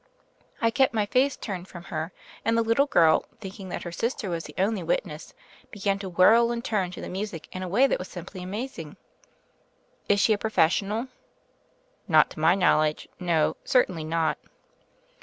I kept my face turned from her, and the little girl, thinking that her sister was the only witness, began to whirl and turn to the music in a way that was simply amazing. Is she a professional ?" "Not to my knowledge. No; certainly not."